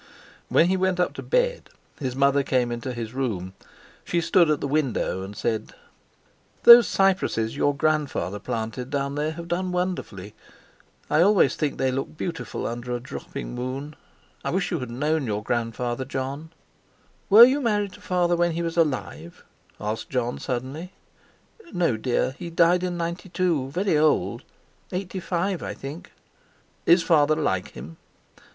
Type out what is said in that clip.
When he went up to bed his mother came into his room. She stood at the window, and said: "Those cypresses your grandfather planted down there have done wonderfully. I always think they look beautiful under a dropping moon. I wish you had known your grandfather, Jon." "Were you married to father when he was alive?" asked Jon suddenly. "No, dear; he died in '92—very old—eighty five, I think." "Is Father like him?"